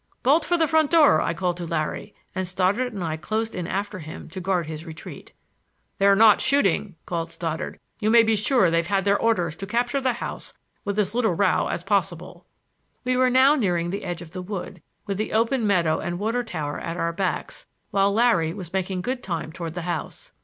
"Bolt for the front door," I called to Larry, and Stoddard and I closed in after him to guard his retreat. "They're not shooting," called Stoddard. "You may be sure they've had their orders to capture the house with as little row as possible." We were now nearing the edge of the wood, with the open meadow and water tower at our backs, while Larry was making good time toward the house.